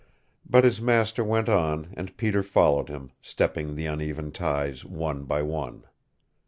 But his master went on and Peter followed him, stepping the uneven ties one by one.